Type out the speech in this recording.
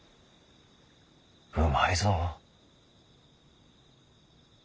うまいぞ。